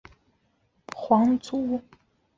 伏见宫贞清亲王是江户时代初期的皇族。